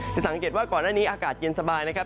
สังเกตว่าก่อนหน้านี้อากาศเย็นสบายนะครับ